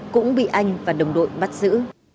cũng bị anh và đồng đội bắt giữ